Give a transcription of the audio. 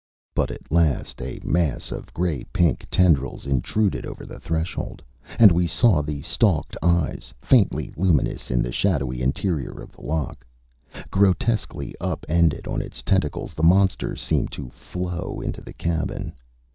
But at last a mass of gray pink tendrils intruded over the threshold. And we saw the stalked eyes, faintly luminous in the shadowy interior of the lock. Grotesquely up ended on its tentacles, the monster seemed to flow into the cabin.